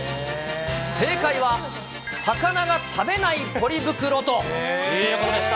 正解は、魚が食べないポリ袋ということでした。